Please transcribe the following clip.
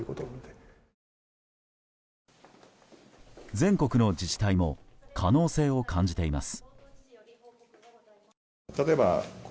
全国の自治体も可能性を感じています。